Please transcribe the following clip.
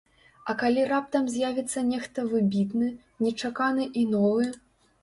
А калі раптам з'явіцца нехта выбітны, нечаканы і новы?